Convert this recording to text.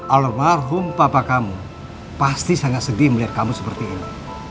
almarhum papa kamu pasti sangat sedih melihat kamu seperti ini